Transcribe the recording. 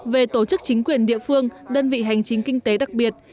về tổ chức chính quyền địa phương đơn vị hành chính kinh tế đặc biệt